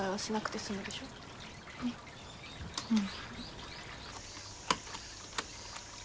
うん。